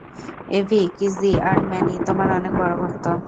AV, Kizzy আর Manny তোমার অনেক বড় ভক্ত।